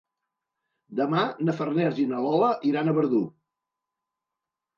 Demà na Farners i na Lola iran a Verdú.